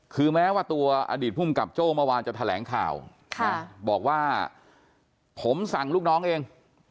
คือแม้ว่าตัวอดีตภูมิกับโจ้เมื่อวานจะแถลงข่าวบอกว่าผมสั่งลูกน้องเอง